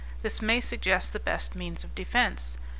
This may suggest the best means of defence.